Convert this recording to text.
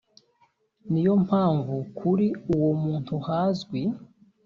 ni yo mpamvu kuri uwo muntu hazwi